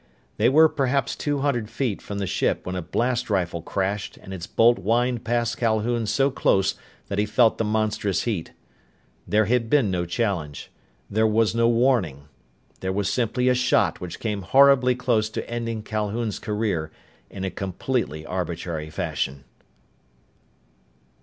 They were perhaps two hundred feet from the ship when a blast rifle crashed and its bolt whined past Calhoun so close that he felt the monstrous heat. There had been no challenge. There was no warning. There was simply a shot which came horribly close to ending Calhoun's career in a completely arbitrary fashion.